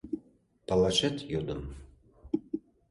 — Палашет йодым.